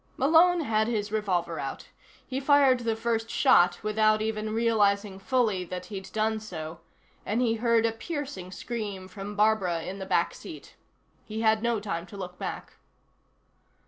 Malone had his revolver out. He fired the first shot without even realizing fully that he'd done so, and he heard a piercing scream from Barbara in the back seat. He had no time to look back.